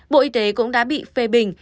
bộ y tế cũng đã bị phê bình